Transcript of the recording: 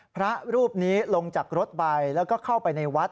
พระรูปนี้ลงจากรถไปแล้วก็เข้าไปในวัด